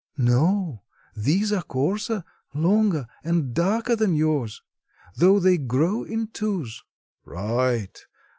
"No; these are coarser, longer and darker than yours; though they grow in twos." "Right.